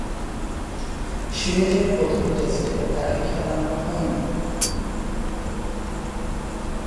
সিরিজের প্রথম টেস্টে তাকে খেলানো হয়নি।